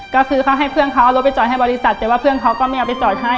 ก็คือเขาให้เพื่อนเขาเอารถไปจอดให้บริษัทแต่ว่าเพื่อนเขาก็ไม่เอาไปจอดให้